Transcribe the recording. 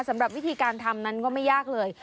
สำหรับวิธีการทำนั้นก็ไม่ยากเลย